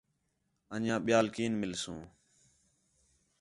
انجیاں ٻیال کین مِلسوں